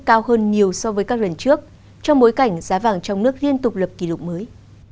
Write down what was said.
cao hơn nhiều so với các lần trước trong bối cảnh giá vàng trong nước liên tục lập kỷ lục mới